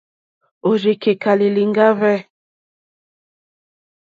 Òrzì kèká lìlìŋɡá hwɛ̂.